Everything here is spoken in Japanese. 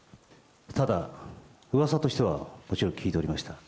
ただ、うわさとしては、もちろん聞いておりました。